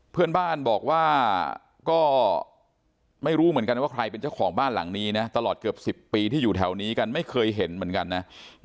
เพื่อนบ้านบอกว่าก็ไม่รู้เหมือนกันว่าใครเป็นเจ้าของบ้านหลังนี้นะตลอดเกือบ๑๐ปีที่อยู่แถวนี้กันไม่เคยเห็นเหมือนกันนะ